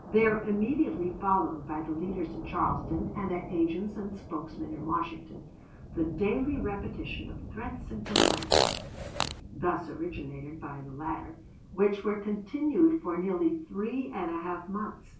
There immediately followed by the leaders in Charleston, and their agents and spokesmen in Washington, the daily repetition of threats and complaints (thus originated by the latter), which were continued for nearly three and a half months.